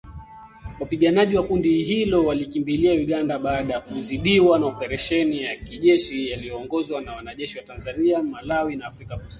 Wapiganaji wa kundi hilo walikimbilia Uganda baada ya kuzidiwa na oparesheni ya kijeshi yaliyoongozwa na wanajeshi wa Tanzania, Malawi na Afrika kusini